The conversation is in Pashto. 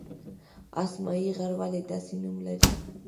اسمايي غر ولې داسې نوم لري؟